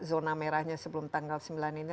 zona merahnya sebelum tanggal sembilan ini